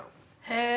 へぇ。